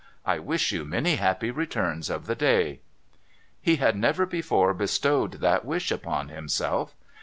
I wish you many happy returns of the day.' He had never before bestowed that wish upon himself.